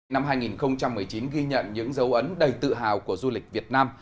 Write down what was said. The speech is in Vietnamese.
năm hai nghìn một mươi chín ghi nhận những dấu ấn đầy tự hào của du lịch việt nam